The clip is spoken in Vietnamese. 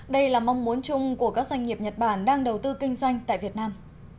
đây là mong muốn chung của các doanh nghiệp nhật bản đang đầu tư kinh doanh tại việt nam